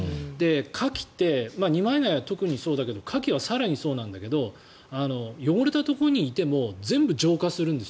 カキって二枚貝は特にそうだけどカキは更にそうなんだけど汚れたところにいても全部浄化するんです。